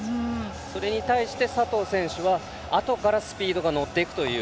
それに対して佐藤選手はあとからスピードが乗っていくという。